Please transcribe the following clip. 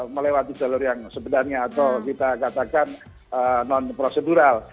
melewati jalur yang sebenarnya atau kita katakan non prosedural